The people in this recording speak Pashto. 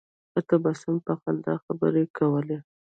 په تبسم په خندا خبرې کولې.